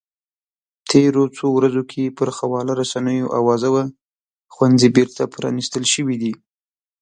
تېرو څو ورځو کې پر خواله رسنیو اوازه وه ښوونځي بېرته پرانیستل شوي دي